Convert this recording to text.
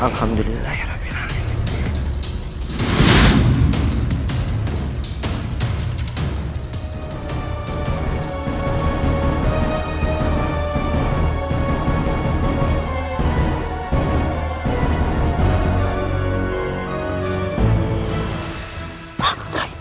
alhamdulillah ya rabbi rai